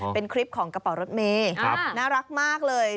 เป็นคลิปของกระเป๋ารถเมย์น่ารักมากเลย